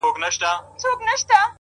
چي در رسېږم نه. نو څه وکړم ه ياره.